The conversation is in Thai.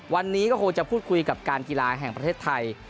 วันนี้ก็คงจะพูดคุยกับการกีฬาแห่งประเทศไทย